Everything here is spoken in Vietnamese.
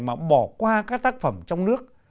mà bỏ qua các tác phẩm trong nước